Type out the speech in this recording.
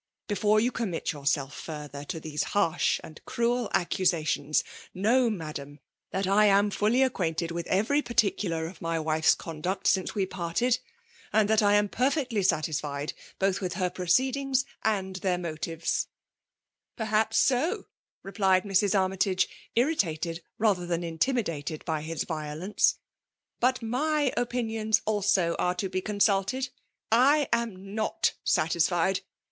*' Before you commit yourself further by these harsh and cruel accusations. Z0i FISMALB DOHlKAnOK. Jtoow^ inadaln> that I am fully aoqoainled y/nHh eysty partkular of my wife's conduct mnee we parted ; and that I am perfectly satisfied^ both with her proceedings and thdir motives/* '^ Perhaps so," — replied Mrs. Armytage, irritated rather than intimidated by his Tiolence. " Bnt my opinions, also, are to be consulted. / ain not satisfied!